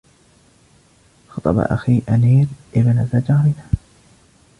خطب أخي آنير إبنت جارنا.